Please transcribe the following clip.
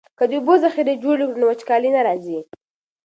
که د اوبو ذخیرې جوړې کړو نو وچکالي نه راځي.